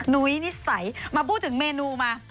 นุ้ยนิสัยมาพูดถึงเมนูมา